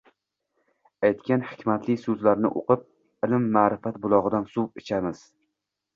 aytgan hikmatli so‘zlarini o‘qib, ilm-maʼrifat bulog‘idan suv ichamiz